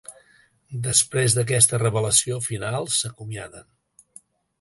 Després d'aquesta revelació final s'acomiaden.